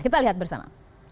kita lihat bersama